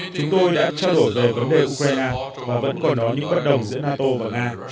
chúng tôi đã trao đổi về vấn đề ukraine và vẫn còn đó những bất đồng giữa nato và nga